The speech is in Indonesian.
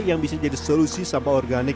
yang bisa jadi solusi sampah organik